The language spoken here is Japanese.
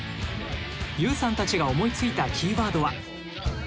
結有さんたちが思いついたキーワードは。